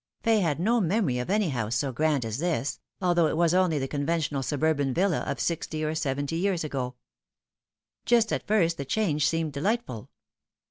Fay had no memory of any house so grand as this, although it was only the conventional suburban villa of sixty or seventy years ago. Just at first the change seemed delightful.